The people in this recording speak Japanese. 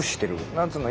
何つうの？